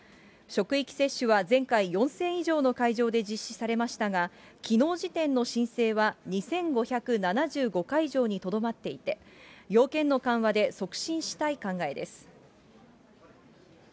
職域接種は前回、４０００以上の会場で実施されましたが、きのう時点の申請は２５７５会場にとどまっていて、要件の緩和で促進したい考えです。